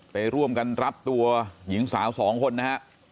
ไปร่วมกันรับตัวหญิงสาวสองคนนะฮะ